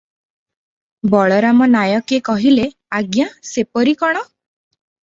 ବଳରାମ ନାୟକେ କହିଲେ, "ଆଜ୍ଞା ସେପରି କଣ?